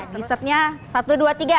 dessertnya satu dua tiga